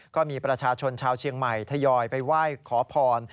ก็มีประชาชนชาวเชียงใหม่ทยอยไปไหว้ขอพร